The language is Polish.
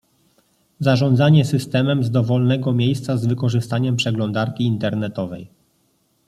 Zarządzanie systemem z dowolnego miejsca z wykorzystaniem przeglądarki internetowej